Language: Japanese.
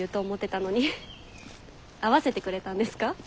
合わせてくれたんですか？